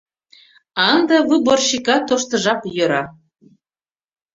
А ынде выборщикат тоштыжап йӧра.